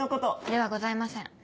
ではございません。